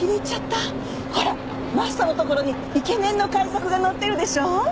ほらマストのところにイケメンの海賊が乗ってるでしょ？